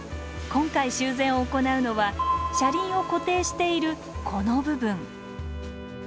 今回修繕を行うのは車輪を固定しているこの部分。